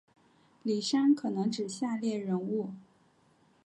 李珊可能指下列人物